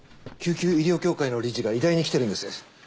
救急医療協会の理事が医大に来てるんです。